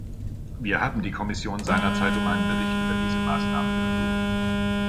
Wir haben die Kommission seinerzeit um einen Bericht über diese Maßnahmen ersucht.